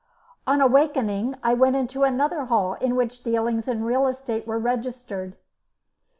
On awakening, I went into another hall, in which dealings in real estate were registered.